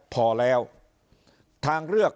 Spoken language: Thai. พอแล้วทางเลือก